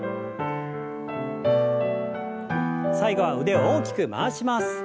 最後は腕を大きく回します。